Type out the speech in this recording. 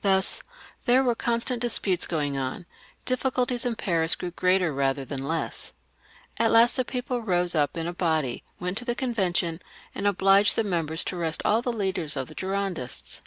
Thus there were constant disputes going on; diffi culties in Paris grew greater rather than less. At last the people rose up in a body, went to the Convention, and obliged the members to arrest all the leaders of the Girondists.